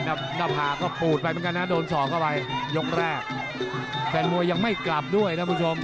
หน้าผากก็ปูดไปเหมือนกันนะโดนสอกเข้าไปยกแรกแฟนมวยยังไม่กลับด้วยท่านผู้ชม